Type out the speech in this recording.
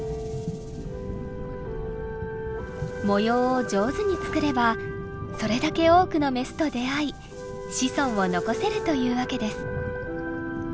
模様を上手に作ればそれだけ多くのメスと出会い子孫を残せるというわけです。